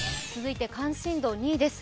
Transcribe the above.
続いて関心度２位です。